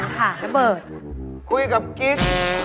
คุยกับกิ๊ก